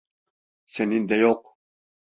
Senin de yok.